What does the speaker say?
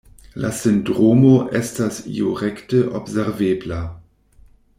La sindromo estas io rekte observebla.